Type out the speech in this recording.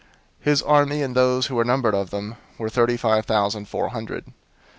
002:023 His army, and those who were numbered of them, were thirty five thousand four hundred.